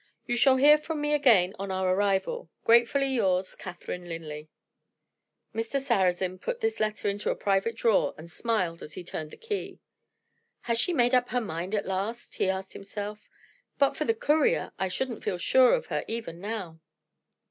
You shall hear from me again on our arrival. Gratefully yours, "CATHERINE LINLEY." Mr. Sarrazin put this letter into a private drawer and smiled as he turned the key. "Has she made up her mind at last?" he asked himself. "But for the courier, I shouldn't feel sure of her even now."